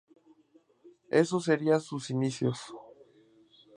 Esos serían sus inicios.